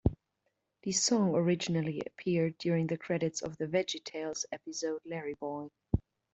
The song originally appeared during the credits of the "VeggieTales" episode "Larry-Boy!